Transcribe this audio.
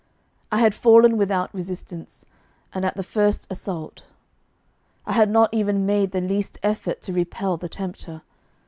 I had fallen without resistance, and at the first assault. I had not even made the least effort to repel the tempter.